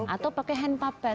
atau pakai hand puppet